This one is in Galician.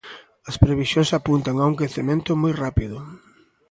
As previsións apuntan a un quecemento moi rápido.